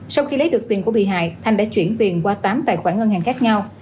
sau khi lấy được tiền của bị hại thanh đã chuyển tiền qua tám tài khoản ngân hàng khác nhau